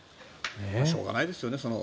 しょうがないですよね。